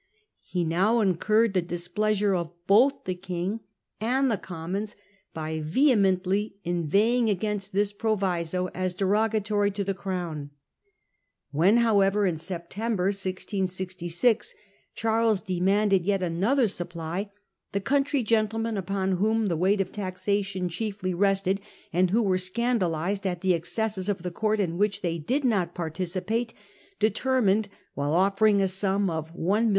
He now incurred the displeasure of both the King and the Commons by vehemently inveighing against this proviso as derogatory to the Crown. 1 666. The Conflict with Parliament . 15 1 When however in September 1666 Charles de manded yet another supply, the country gentlemen, upon whom the weight of taxation chiefly rested, and who were scandalised at the excesses of the court in which they did not participate, determined, while offering a sum of 1,800,000